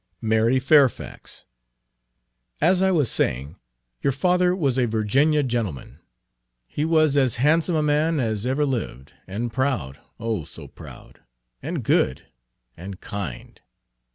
"Mary Fairfax. As I was saying, your father was a Virginia gentleman. He was as handsome a man as ever lived, and proud, oh, so proud! and good, and kind.